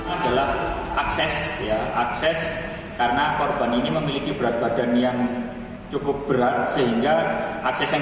adalah akses ya akses karena korban ini memiliki berat badan yang cukup berat sehingga akses yang